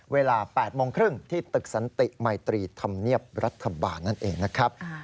เวลา๘โมงครึ่งที่ตึกสันติมัยตรีธรรมเนียบรัฐบาลนั่นเองนะครับ